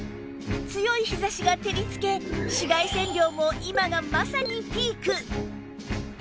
強い日差しが照り付け紫外線量も今がまさにピーク！